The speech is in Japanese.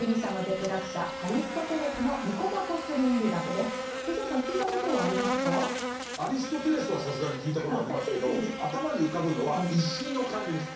アリストテレスはさすがに聞いたことありますけど頭に浮かぶのは石の感じです。